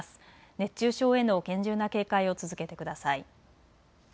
熱中症への厳重な警戒を続けてください。